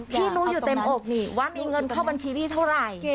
พี่รู้อยู่เต็มอกนี่ว่ามีเงินเข้าบัญชีพี่เท่าไหร่